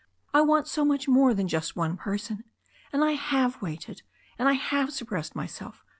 I want so much more than just one person. And I have waited, and I have suppressed my self.